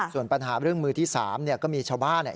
ส่วนปัญหาเรื่องมือที่๓เนี่ยก็มีชาวบ้านเนี่ย